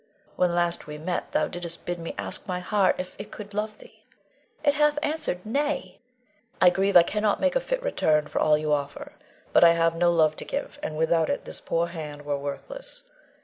When last we met thou didst bid me ask my heart if it could love thee. It hath answered, "Nay." I grieve I cannot make a fit return for all you offer, but I have no love to give, and without it this poor hand were worthless.